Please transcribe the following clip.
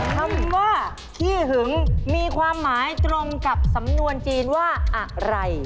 คำว่าขี้หึงมีความหมายตรงกับสำนวนจีนว่าอะไร